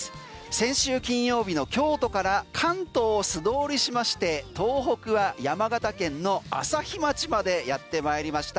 先週金曜日の京都から関東を素通りしまして、東北は山形県の朝日町までやってまいりました。